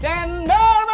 cendol manis dingin